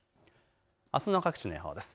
あすの各地の予報です。